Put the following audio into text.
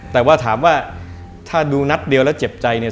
แต่ว่าถามว่าถ้าดูนัดเดียวแล้วเจ็บใจเนี่ย